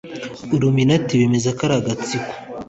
iluminati bemeza ko ari agatsiko